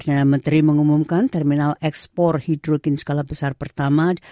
saya benar benar minta maaf kepada semua orang di rumah